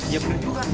iya benar juga